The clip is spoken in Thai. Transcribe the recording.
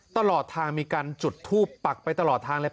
ตลอดทางมีการจุดทูปปักไปตลอดทางเลย